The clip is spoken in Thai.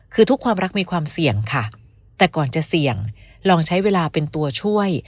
คือทุกความรักมีความเสี่ยงค่ะแต่ก่อนจะเสี่ยงลองใช้เวลาเป็นตัวช่วย